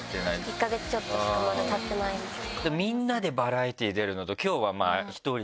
１か月ちょっとしかまだたってないんですよ。